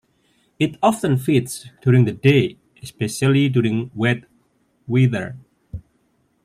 It often feeds during the day, especially during wet weather.